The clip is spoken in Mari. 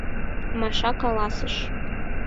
Маша каласыш: